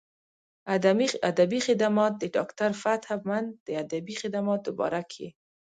ادبي خدمات د ډاکټر فتح مند د ادبي خدماتو باره کښې